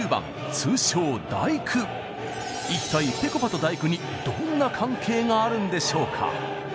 一体ぺこぱと「第９」にどんな関係があるんでしょうか？